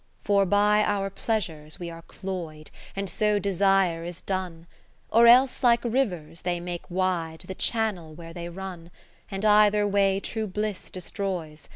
Ill For by our pleasures we are cloy'd, And so Desire is done ; Or else, like rivers, they make wide The channel where they run : And either way true bliss destroys.